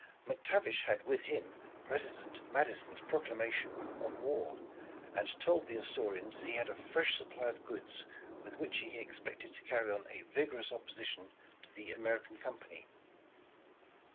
McTavish had with him President Madi son's proclamation of war, and told the Astorians he had a fresh supply of goods, with which he expected to carry on a vigorous opposition to the American Com pany.